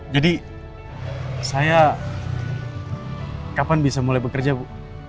jadi saya kapan bisa mulai bekerja bu